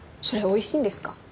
それおいしいんですか？